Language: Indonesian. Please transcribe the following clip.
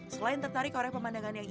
selain tertarik oleh pemandangan yang